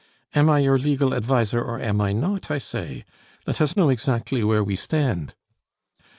"Am I your legal adviser or am I not, I say? Let us know exactly where we stand."